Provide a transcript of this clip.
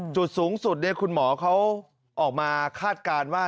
จุดสูงสุดคุณหมอเขาออกมาคาดการณ์ว่า